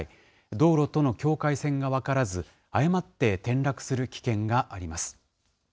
道路との境界線が分からず、誤って転落する危険があります。